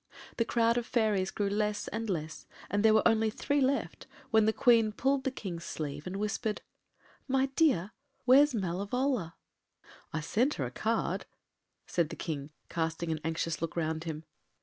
The crowd of fairies grew less and less, and there were only three left when the Queen pulled the King’s sleeve and whispered, “My dear, where’s Malevola?” “I sent her a card,” said the King, casting an anxious look round him.